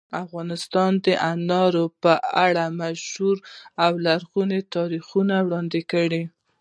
افغانستان د انارو په اړه مشهور او لرغوني تاریخی روایتونه لري.